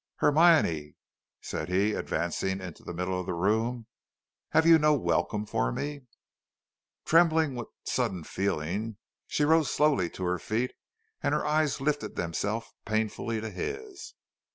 "Hermione," said he, advancing into the middle of the room, "have you no welcome for me?" Trembling with sudden feeling, she rose slowly to her feet; and her eyes lifted themselves painfully to his.